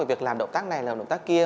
việc làm đậu cát này làm đậu cát kia